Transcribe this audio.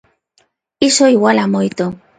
Iso iguala moito.